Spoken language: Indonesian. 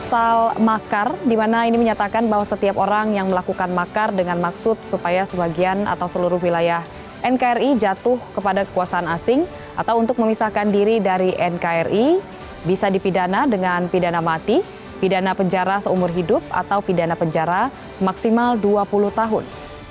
pasal makar dimana ini menyatakan bahwa setiap orang yang melakukan makar dengan maksud supaya sebagian atau seluruh wilayah nkri jatuh kepada kekuasaan asing atau untuk memisahkan diri dari nkri bisa dipidana dengan pidana mati pidana penjara seumur hidup atau pidana penjara maksimal dua puluh tahun